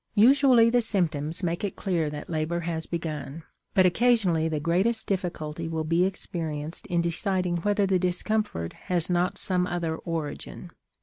Usually the symptoms make it clear that labor has begun, but occasionally the greatest difficulty will be experienced in deciding whether the discomfort has not some other origin.